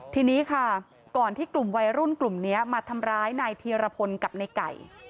ทีนี้ค่ะก่อนที่กลุ่มวัยรุ่นกลุ่มนี้มาทำร้ายนายธีรพลกับในไก่